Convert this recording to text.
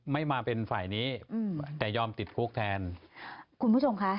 ไม่มาเป็นฝ่ายนี้อืมแต่ยอมติดคุกแทนคุณผู้ชมคะ